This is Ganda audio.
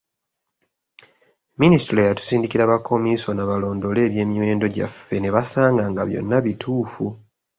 Minisitule yatusindikira bakomiisona balondoole eby’emiwendo gyaffe ne basanga nga byonna bituufu.